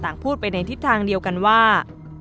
พูดไปในทิศทางเดียวกันว่า